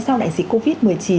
sau đại sĩ covid một mươi chín